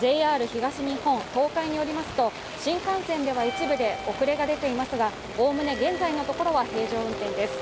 ＪＲ東日本・東海によりますと新幹線では一部で遅れが出ていますが、おおむね現在のところは平常運転です。